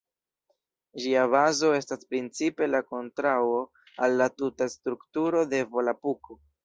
Ĝia bazo estas principe la kontraŭo al la tuta strukturo de Volapuko.